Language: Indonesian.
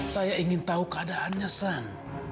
saya ingin tahu keadaannya san